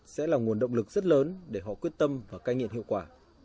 sẽ là nguồn động lực rất lớn để họ quyết tâm và cai nghiện hiệu quả